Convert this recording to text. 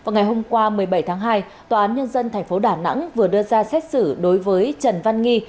ngày hôm qua một mươi bảy tháng hai tòa án nhân dân tp đà nẵng vừa đưa ra xét xử đối với trần văn nghi